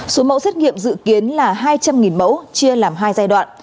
số mẫu xét nghiệm dự kiến là hai trăm linh mẫu chia làm hai giai đoạn